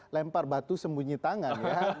lempar batu sembunyi tangan ya